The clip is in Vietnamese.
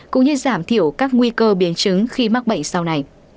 cũng như giảm thiểu các nguy cơ biến chứng khi mắc bệnh sau này